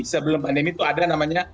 sebelum pandemi itu ada namanya